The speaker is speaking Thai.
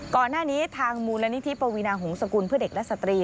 ก่อนหน้านี้ทางมูลนิธิปวีนาหงษกุลเพื่อเด็กและสตรี